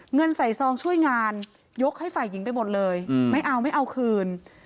เงินใส่ซองช่วยงานยกให้ฝ่ายหญิงไปหมดเลยไม่เอาไม่เอาคืน